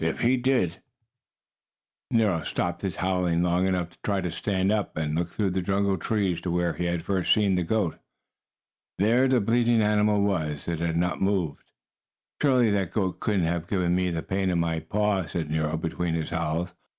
If he did " Nero stopped his howling long enough to try to stand up and look through the jungle trees to where he had first seen the goat. There the bleating animal was. It had not moved. "Surely that goat couldn't have given me the pain in my paw," said Nero, between his howls.